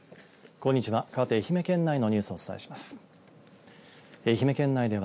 こんにちは。